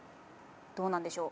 どうなんでしょう？